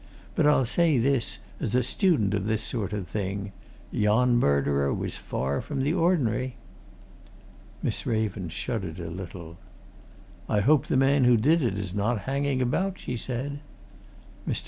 But I'll say this, as a student of this sort of thing yon murderer was far from the ordinary." Miss Raven shuddered a little. "I hope the man who did it is not hanging about!" she said. Mr.